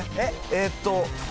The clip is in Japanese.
えーっと。